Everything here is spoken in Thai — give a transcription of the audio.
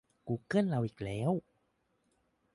กูเกิลเอาอีกแล้ว !